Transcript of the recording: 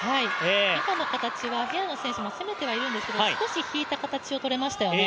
今の形は平野選手も攻めてはいるんですけれども、少し引いた形を取れましたよね。